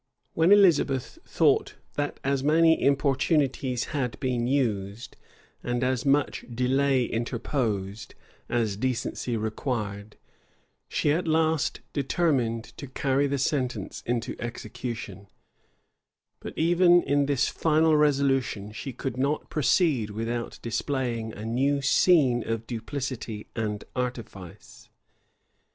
} When Elizabeth thought that as many importunities had been used, and as much delay interposed, as decency required, she at last determined to carry the sentence into execution: but even in this final resolution she could not proceed without displaying a new scene of duplicity and artifice.